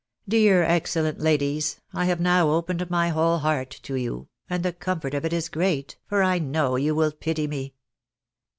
Dear, excellent ladies, I have now opened my whole heart to you, and the comfort of it is great, for I know you will pity me